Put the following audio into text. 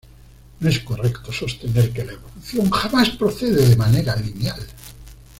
No es correcto sostener que la evolución jamás procede de manera lineal.